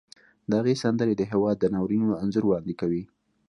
د هغې سندرې د هېواد د ناورینونو انځور وړاندې کوي